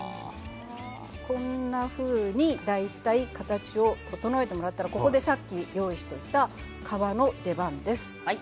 こんなふうに大体、形を整えてもらったら、ここでさっき用意しておいた皮の出番です。